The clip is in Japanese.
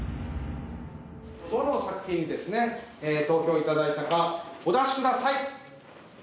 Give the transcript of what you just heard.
どの作品に投票いただいたかお出しください。